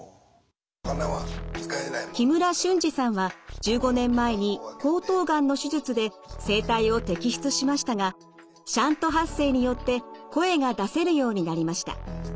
木村俊治さんは１５年前に喉頭がんの手術で声帯を摘出しましたがシャント発声によって声が出せるようになりました。